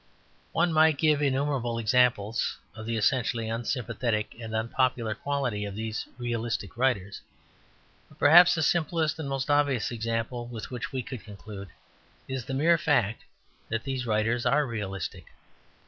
One might give innumerable examples of the essentially unsympathetic and unpopular quality of these realistic writers. But perhaps the simplest and most obvious example with which we could conclude is the mere fact that these writers are realistic.